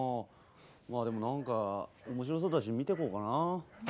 まあでも何か面白そうだし見てこうかな。